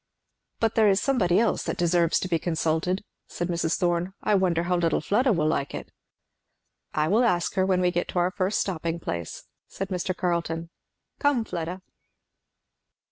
"But there is somebody else that deserves to be consulted," said Mrs. Thorn. "I wonder how little Fleda will like it." "I will ask her when we get to our first stopping place," said Mr. Carleton smiling. "Come, Fleda!"